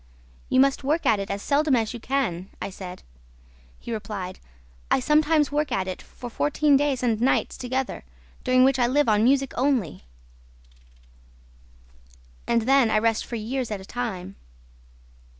'You must work at it as seldom as you can,' I said. He replied, 'I sometimes work at it for fourteen days and nights together, during which I live on music only, and then I rest for years at a time.'